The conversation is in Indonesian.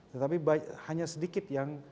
tetapi hanya sedikit yang